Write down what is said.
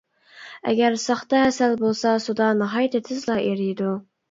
ئەگەر ساختا ھەسەل بولسا سۇدا ناھايىتى تېزلا ئېرىيدۇ.